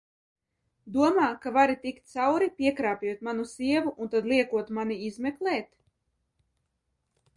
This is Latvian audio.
Domā, ka vari tikt sveikā cauri, piekrāpjot manu sievu un tad liekot mani izmeklēt?